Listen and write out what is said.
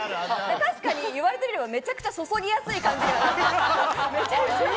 確かに言われてみれば、めちゃくちゃ注ぎやすい感じはする。